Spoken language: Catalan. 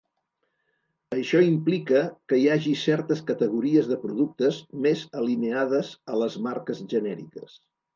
Això implica que hi hagi certes categories de productes més alineades a les marques genèriques.